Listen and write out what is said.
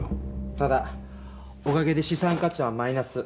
ただおかげで資産価値はマイナス。